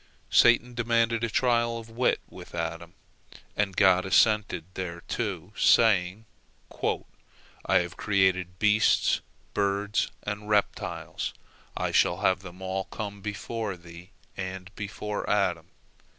Satan demanded a trial of wit with Adam, and God assented thereto, saying: "I have created beasts, birds, and reptiles, I shall have them all come before thee and before Adam.